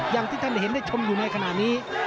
อย่างที่ท่านเห็นได้ชมอยู่ในขณะนี้